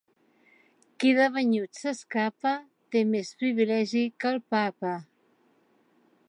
Qui de banyut s'escapa té més privilegi que el Papa.